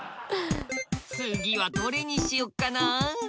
次はどれにしようかな。